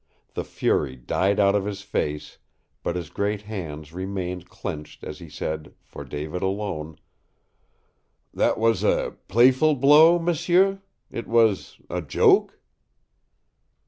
The fury died out of his face, but his great hands remained clenched as he said, for David alone, "That was a playful blow, m'sieu? It was a joke?"